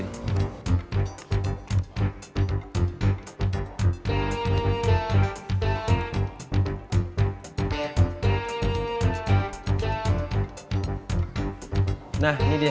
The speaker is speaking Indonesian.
nah ini dia